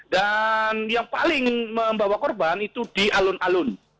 dan yang paling membawa korban itu di alun alun